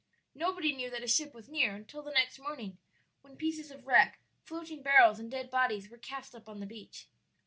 Nobody knew that a ship was near until the next morning, when pieces of wreck, floating barrels, and dead bodies were cast up on the beach.